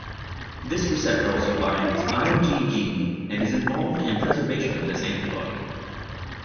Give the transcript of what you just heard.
This receptor also binds IgG and is involved in preservation of this antibody.